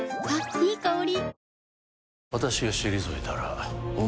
いい香り。